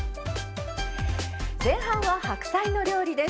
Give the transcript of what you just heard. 前半は白菜の料理です。